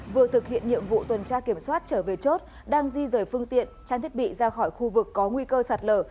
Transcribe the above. vừa thực hiện nhiệm vụ tuần tra kiểm soát trở về chốt đang di rời phương tiện trang thiết bị ra khỏi khu vực có nguy cơ sạt lở